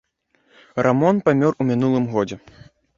Рамон памёр у мінулым годзе.